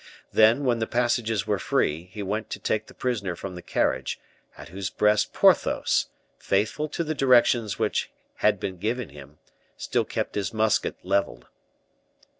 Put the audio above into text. Then, when the passages were free, he went to take the prisoner from the carriage, at whose breast Porthos, faithful to the directions which had been given him, still kept his musket leveled.